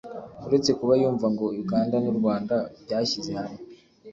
uretse kuba yumva ngo Uganda n’u Rwanda byashyize hamwe